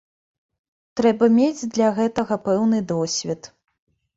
Трэба мець для гэтага пэўны досвед.